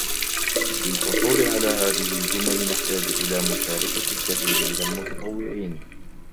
للحصول على هذه الجمل نحتاج الى مشاركة الكثير من المتطوعين.